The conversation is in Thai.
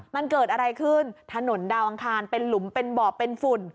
มันเกิดอะไรขึ้นถนนดาวอังคารเป็นหลุมเป็นบ่อเป็นฝุ่น